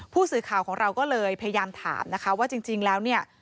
ผู้สื่อข่าวของเราก็เลยพยายามถามนะคะว่าจริงแล้วเนี่ย